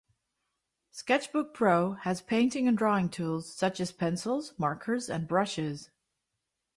SketchBook Pro has painting and drawing tools such as pencils, markers, and brushes.